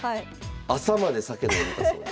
朝まで酒飲んでたそうです。